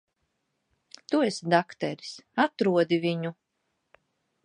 Tu esi dakteris. Atrodi viņu.